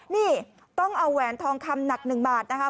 นี่ต้องเอาแหวนทองคำหนัก๑บาทนะคะ